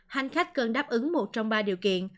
hành khách cần đáp ứng một trong ba điều kiện